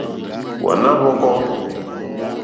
Hwàná ǃhwɔ́kɔ́.